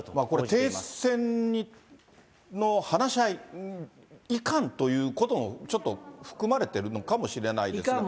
これ停戦の話し合いいかんということも、ちょっと含まれているのかもしれないですね。